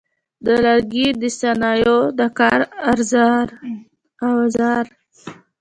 د لرګي د صنایعو د کار اوزار: